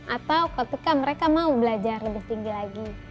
atau ketika mereka mau belajar lebih tinggi lagi